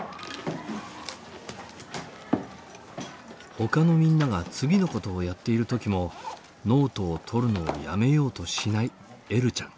ほかのみんなが次のことをやっている時もノートを取るのをやめようとしないえるちゃん。